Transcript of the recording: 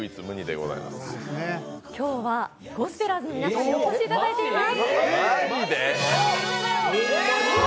今日はゴスペラーズの皆さんにお越しいただいています。